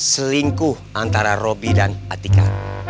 selingkuh antara roby dan atika